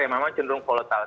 yang memang cenderung volatile